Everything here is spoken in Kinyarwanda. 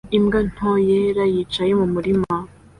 Imbwa nto yera yicaye mu murima